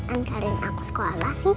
angkarin aku sekolah sih